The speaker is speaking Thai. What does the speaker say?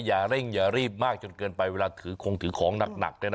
อย่าเร่งอย่ารีบมากจนเกินไปเวลาถือคงถือของหนักเนี่ยนะ